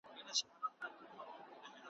چي ښوونکي او ملا به را ښودله `